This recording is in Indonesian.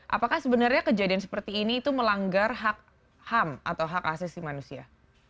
apakah sebenarnya kejadian seperti ini itu melanggar hak ham atau hak asasi manusia